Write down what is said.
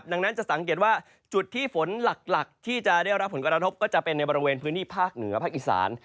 ดังนั้นจะสังเกตว่าจุดที่ฝนหลักที่จะได้รับผลกระทบก็จะเป็นในบริเวณพื้นที่ภาคเหนือภาคอีสาน